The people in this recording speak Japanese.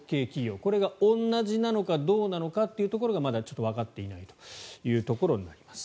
これが同じなのかどうなのかというところがまだちょっとわかっていないというところになります。